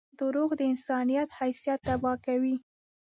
• دروغ د انسان حیثیت تباه کوي.